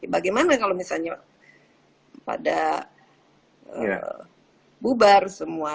bagaimana kalau misalnya pada bubar semua